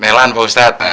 melan pak ustadz